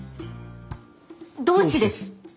同志です。